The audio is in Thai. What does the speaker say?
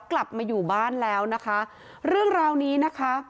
กลับมาอยู่บ้านแล้วนะคะเรื่องราวนี้นะคะ